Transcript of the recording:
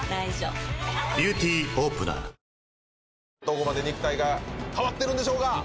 どこまで肉体が変わってるんでしょうか？